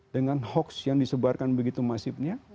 dengan hoax yang disebarkan begitu masifnya